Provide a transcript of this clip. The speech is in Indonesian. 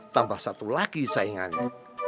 tambah satu lagi saingannya